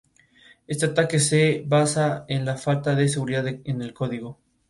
En algunos sistemas legales, se hace una distinción entre automóviles y camionetas.